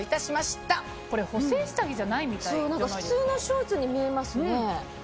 そう普通のショーツに見えますね。